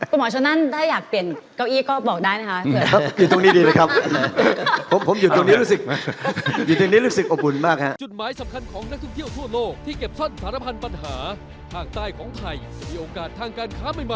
หมอชนนั่นถ้าอยากเปลี่ยนเก้าอี้ก็บอกได้นะคะ